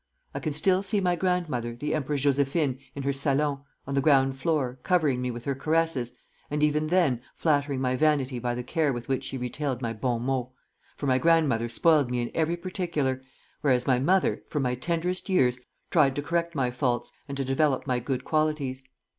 I can still see my grandmother, the Empress Josephine, in her salon, on the ground floor, covering me with her caresses, and, even then, flattering my vanity by the care with which she retailed my bons mots; for my grandmother spoiled me in every particular, whereas my mother, from my tenderest years, tried to correct my faults and to develop my good qualities.